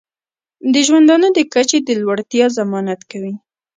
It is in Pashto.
د ژوندانه د کچې د لوړتیا ضمانت کوي.